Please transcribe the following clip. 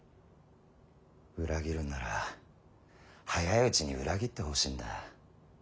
裏切るんなら早いうちに裏切ってほしいんだ。